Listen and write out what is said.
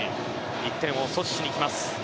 １点を阻止しにきます。